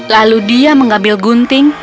lalu dia mengambil gunting